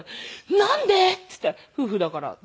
「なんで？」って言って「夫婦だから」って。